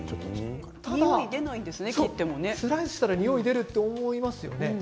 ただ、スライスしたらにおいが出ると思いますよね。